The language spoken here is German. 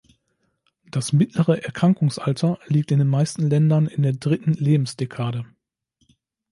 Das mittlere Erkrankungsalter liegt in den meisten Ländern in der dritten Lebensdekade.